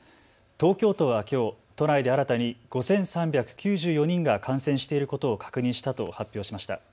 東京都はきょう都内で新たに５３９４人が感染していることを確認したと発表しました。